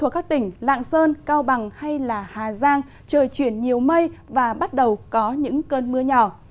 các tỉnh lạng sơn cao bằng hay hà giang trời chuyển nhiều mây và bắt đầu có những cơn mưa nhỏ